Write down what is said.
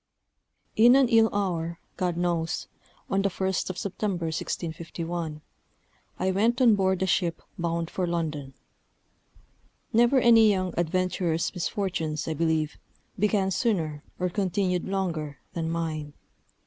In an ill hour, God knows, on the 1st of September, 1651, I went on board a ship bound for London. Never any young adventurer's misfortunes, I believe, began sooner, or continued longer, than mine.